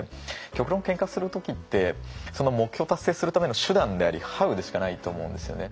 極論けんかする時ってその目標を達成するための手段でありＨｏｗでしかないと思うんですよね。